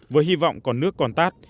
với hy vọng còn nước còn tát